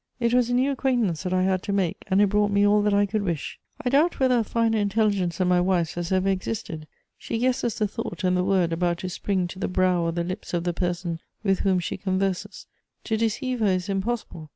It was a new acquaintance that I had to make, and it brought me all that I could wish. I doubt whether a finer intelligence than my wife's has ever existed: she guesses the thought and the word about to spring to the brow or the lips of the person with whom she converses; to deceive her is impossible.